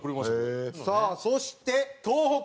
さあそして東北。